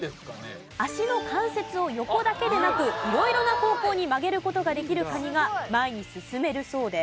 脚の関節を横だけでなく色々な方向に曲げる事ができるカニが前に進めるそうです。